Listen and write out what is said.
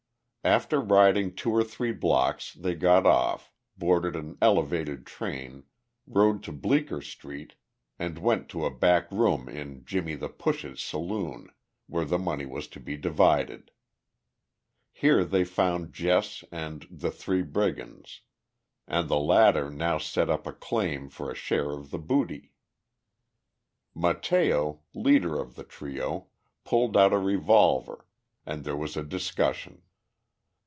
After riding two or three blocks they got off, boarded an elevated train, rode to Bleeker street, and went to a back room in "Jimmie the Push's" saloon, where the money was to be divided. Here they found Jess and the "Three Brigands," and the latter now set up a claim for a share in the booty. Matteo, leader of the trio, pulled out a revolver, and there was a discussion.